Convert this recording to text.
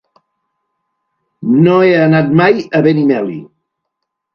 No he anat mai a Benimeli.